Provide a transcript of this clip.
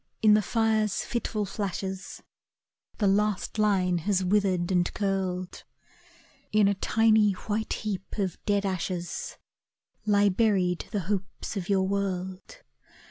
in the fire’s fitful flashes, The last line has withered and curled. In a tiny white heap of dead ashes Lie buried the hopes of your world.